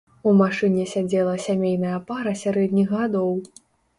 У машыне сядзела сямейная пара сярэдніх гадоў.